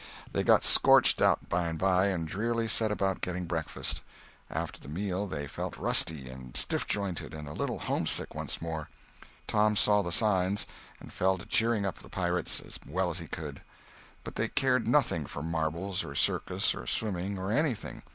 They got scorched out by and by, and drearily set about getting breakfast. After the meal they felt rusty, and stiff jointed, and a little homesick once more. Tom saw the signs, and fell to cheering up the pirates as well as he could. But they cared nothing for marbles, or circus, or swimming, or anything.